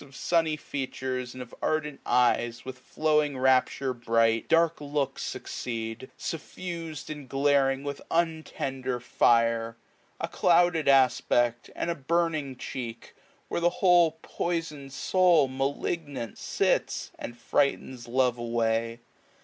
Of sunny features, and of ardent eyes With flowing rapture bright, dark looks succeed^ iq8^ Suffus'd and glaring with untend^ fire ; A clouded aspect, and a burning cheek. Where the whole poisoix*d soul, malignant, sits. And frightens love away.